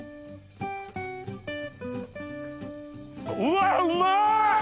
うわうまい！